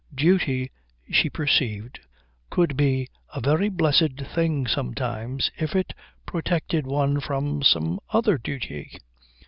Duty, she perceived, could be a very blessed thing sometimes if it protected one from some other duty.